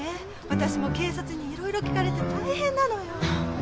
私も警察にいろいろ聞かれて大変なのよ。